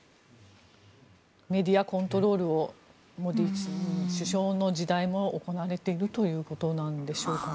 メディアコントロールをモディ首相の時代も行われているということなんでしょうかね。